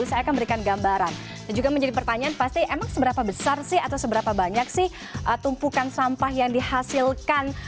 saya akan berikan gambaran dan juga menjadi pertanyaan pasti emang seberapa besar sih atau seberapa banyak sih tumpukan sampah yang dihasilkan